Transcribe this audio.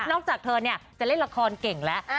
จากเธอเนี่ยจะเล่นละครเก่งแล้ว